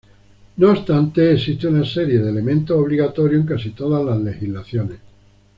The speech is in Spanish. No obstante, existen una serie de elementos obligatorios en casi todas las legislaciones.